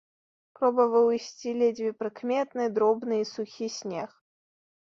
Пробаваў ісці ледзьве прыкметны, дробны і сухі снег.